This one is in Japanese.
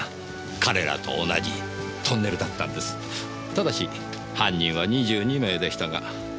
ただし犯人は２２名でしたが。